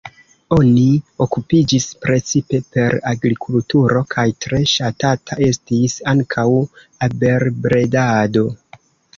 Oni okupiĝis precipe per agrikulturo kaj tre ŝatata estis ankaŭ abelbredado.